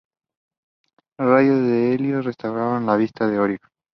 Los rayos de Helios restauraron la vista de Orión.